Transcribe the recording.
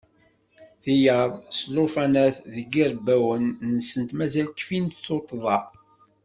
Tiyaḍ s lufanat deg yirebbawen-nsent mazal kfin tuṭḍa.